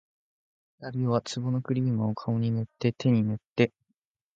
二人は壺のクリームを、顔に塗って手に塗って